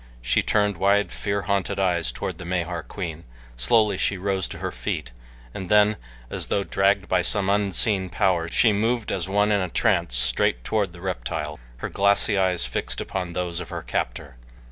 She turned wide, fear haunted eyes toward the Mahar queen, slowly she rose to her feet, and then as though dragged by some unseen power she moved as one in a trance straight toward the reptile, her glassy eyes fixed upon those of her captor.